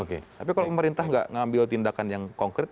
tapi kalau pemerintah tidak mengambil tindakan yang konkret